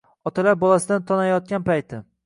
Otalar bolasidan tonayotgan payti